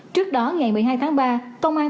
trước đó ngày một mươi hai tháng ba công an